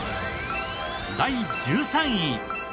第１３位。